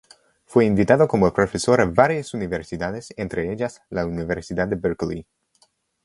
Fue invitado como profesor a varias universidades, entre ellas la Universidad de Berkeley.